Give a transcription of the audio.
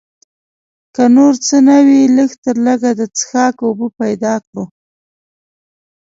که نور څه نه وي لږ تر لږه د څښاک اوبه پیدا کړو.